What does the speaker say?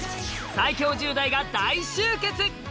最強１０代が大集結。